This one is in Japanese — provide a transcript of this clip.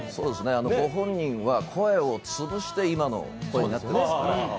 ご本人は声を潰して今の声になっていますから。